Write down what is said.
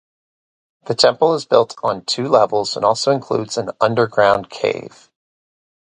The temple is built on two levels and also includes an underground cave.